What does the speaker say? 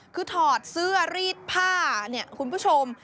คือถอดเสื้อรีดผ้าเนี่ยคุณผู้ชม